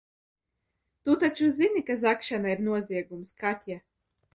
Tu taču zini, ka zagšana ir noziegums, Katja?